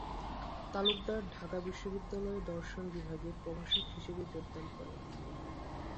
তালুকদার ঢাকা বিশ্ববিদ্যালয়ে দর্শন বিভাগে প্রভাষক হিসেবে যোগদান করেন।